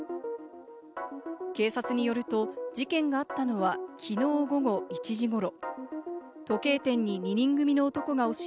警察によると、事件があったのは、昨日午後１時ごろ。